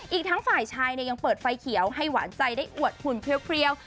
อีกทั้งฝ่ายชายยังเปิดไฟเขียวให้หวานใจได้อวดหุ่นเคลียว